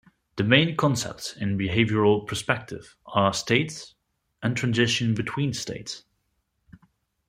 The main concepts in behavioral perspective are states and transitions between states.